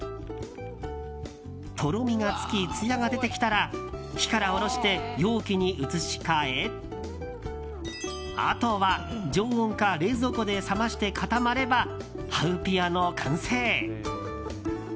とろみがつき、つやが出てきたら火から下ろして容器に移し替えあとは常温か冷蔵庫で冷まして固まればハウピアの完成。